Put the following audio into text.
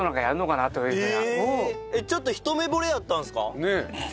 ちょっと一目惚れやったんですか？